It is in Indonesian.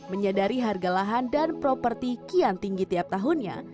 menyadari harga lahan dan properti kian tinggi tiap tahunnya